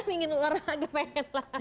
ingin olahraga pengen lah